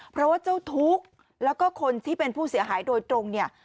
เพราะว่าเจ้าทุกข์แล้วก็คนที่เป็นผู้เสียหายโดยตรงเนี่ย